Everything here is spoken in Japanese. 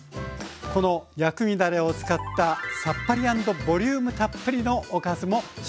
この薬味だれを使ったさっぱり＆ボリュームたっぷりのおかずも紹介します。